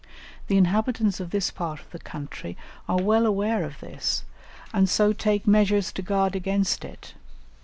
The inhabitants of this part of the country are well aware of this, and so take measures to guard against it.